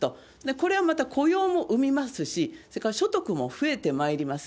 これはまた雇用も生みますし、それから所得も増えてまいります。